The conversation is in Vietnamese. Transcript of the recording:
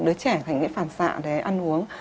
đứa trẻ phải phản xạ để ăn uống